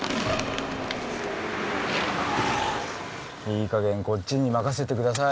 いいかげんこっちに任せてください。